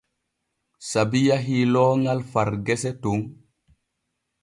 Sabi yahi looŋal far gese ton.